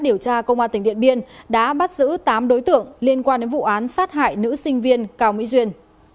điều tra công an tỉnh điện biên đã bắt giữ tám đối tượng liên quan đến vụ án sát hại nữ sinh viên cao mỹ duyên